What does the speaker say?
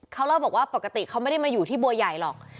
เขาเล่าบอกว่าปกติเขาไม่ได้มาอยู่ที่บัวใหญ่หรอก